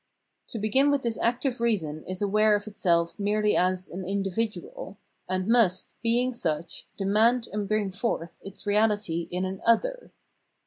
To begin with this active reason is aware of itself merely as "an individual,'' and must, being such, demand and bring forth its reahty in an " other.